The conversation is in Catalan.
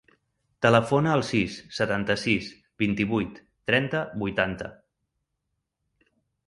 Telefona al sis, setanta-sis, vint-i-vuit, trenta, vuitanta.